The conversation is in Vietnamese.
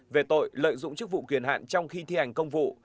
về tội lợi dụng chức vụ quyền hạn trong khi thi hành công vụ